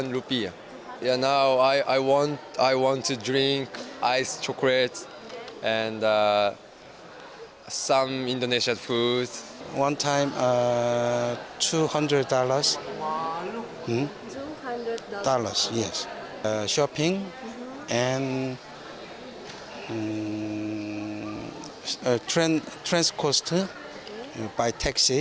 dan mengontolkan transkursor dengan teksi